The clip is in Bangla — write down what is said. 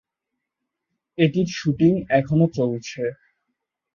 এটির শুটিং এখনো চলছে।